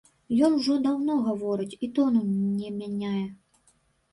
Ён ўжо даўно гаворыць і тону не мяняе.